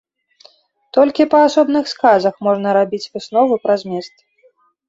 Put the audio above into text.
Толькі па асобных сказах можна рабіць выснову пра змест.